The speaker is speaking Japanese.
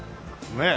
ねえ。